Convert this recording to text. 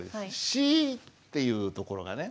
「し」っていうところがね